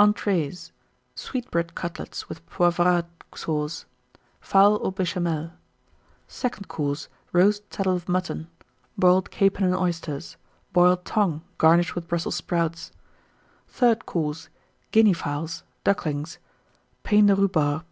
ENTREES. Sweetbread Cutlets, with Poivrade Sauce. Fowl au Béchamel. SECOND COURSE. Roast Saddle of Mutton. Boiled Capon and Oysters. Boiled Tongue, garnished with Brussels Sprouts. THIRD COURSE. Guinea Fowls. Ducklings. Pain de Rhubarb.